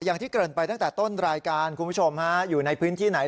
อย่างที่เกริ่นไปตั้งแต่ต้นรายการคุณผู้ชมฮะอยู่ในพื้นที่ไหน